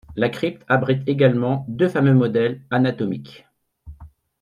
La crypte abrite également deux fameux modèles anatomiques.